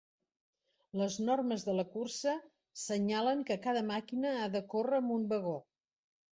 Les normes de la cursa senyalen que cada màquina ha de córrer amb un vagó.